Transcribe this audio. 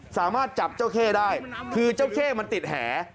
สามารถจับเจ้าเข้ได้คือเจ้าเข้มันติดแห